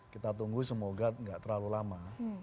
kita tunggu semoga nggak terlalu lama